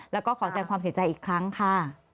แล้วก็ขอแสดงความเสียใจอีกครั้งค่ะ